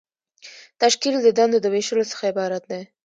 تشکیل د دندو د ویشلو څخه عبارت دی.